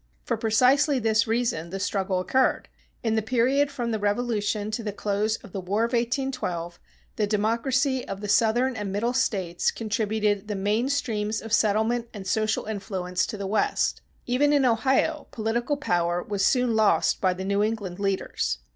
For precisely this reason the struggle occurred. In the period from the Revolution to the close of the War of 1812, the democracy of the Southern and Middle States contributed the main streams of settlement and social influence to the West. Even in Ohio political power was soon lost by the New England leaders.